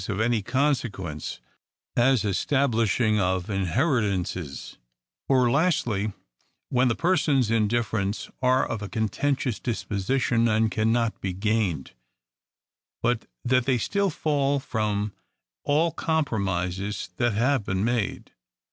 of any consequence, as establishing of inheritances ; or lastly, when the persons in difference are of a conten tious disposition, and cannot be gained, but that they still fall from all compromises that have been made.